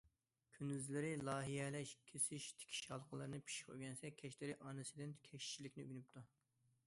كۈندۈزلىرى لايىھەلەش، كېسىش، تىكىش ھالقىلىرىنى پىششىق ئۆگەنسە، كەچلىرى ئانىسىدىن كەشتىچىلىكنى ئۆگىنىپتۇ.